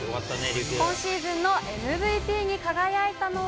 今シーズンのＭＶＰに輝いたのは。